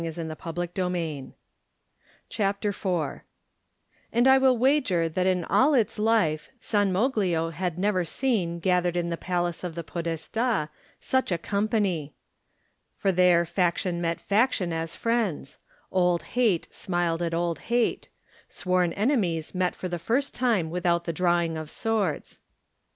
Digitized by Google CHAPTER IV AND I will wager that in all its life San xxMoglio had never seen gathered in the palace of the PodestA such a company; for there faction met faction as friends; old hate smiled at old hate; sworn enemies met for the first time without the drawing of swords.